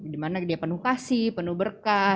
dimana dia penuh kasih penuh berkah